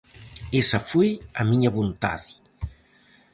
Esa foi a miña vontade.